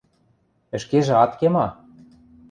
— Ӹшкежӹ ат ке ма?